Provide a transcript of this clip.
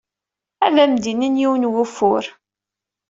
Ad am-d-inin yiwen n wufur.